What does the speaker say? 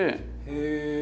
へえ。